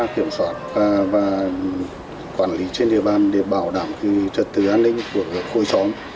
kiểm soát và quản lý trên địa bàn để bảo đảm trật tự an ninh của khôi xóm